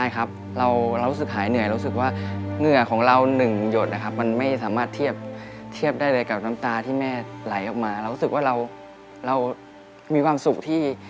คุณแม่ครับเนี่ยเงินก้อนแรกที่เขาหามาได้เนี่ยแต่ว่ากลับจะต้องมาหมดไปเพราะว่าเอามารักษาคุณแม่